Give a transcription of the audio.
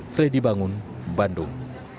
fredy bangun bandung